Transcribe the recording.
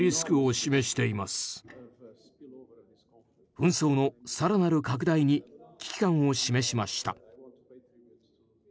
紛争の更なる拡大に危機感を示しました。